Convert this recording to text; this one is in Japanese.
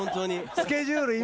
スケジュール今。